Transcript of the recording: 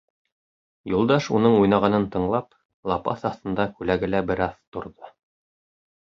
Юлдаш, уның уйнағанын тыңлап, лапаҫ аҫтында күләгәлә бер аҙ торҙо.